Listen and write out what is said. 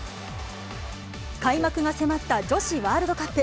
開幕が迫った女子ワールドカップ。